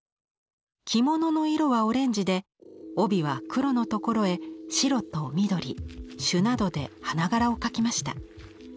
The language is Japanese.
着物の色はオレンジで帯は黒の所へ白と緑朱などで花柄を描きました。